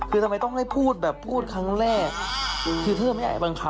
อ๋อคือเขาพูดอาบน้ำ